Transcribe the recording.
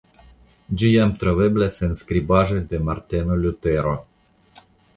Ĝi jam troveblas en skribaĵoj de Marteno Lutero.